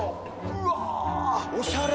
うわおしゃれ。